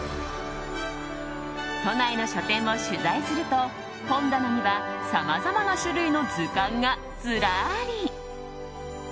都内の書店を取材すると本棚にはさまざまな種類の図鑑がズラリ。